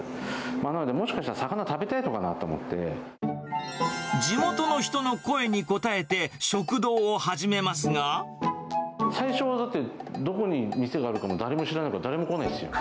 なので、もしかしたら、魚食べた地元の人の声に応えて、最初はだって、どこに店があるかも誰も知らないから、誰も来ないですよ。